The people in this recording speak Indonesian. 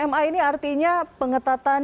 ma ini artinya pengetatan